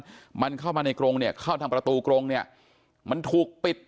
เนี่ยมันเข้ามาในกรงเนี่ยเข้าทางประตูกรงเนี่ยมันถูกปิด